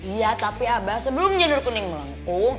iya tapi abah sebelumnya dor kuning melengkung